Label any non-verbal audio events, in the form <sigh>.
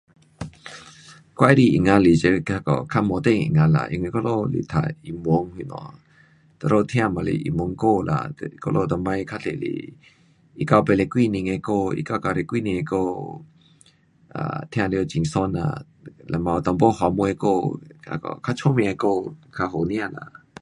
<noise> 我喜欢音乐是那个较摩登的音乐啦，因为我们是读英文那下，我们听也是英文歌啦，我们以前较多是一九八十多年的歌，一九九十多年的歌，um 听了很爽啦，那么到尾就还有出名的歌较好听啦。